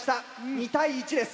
２対１です。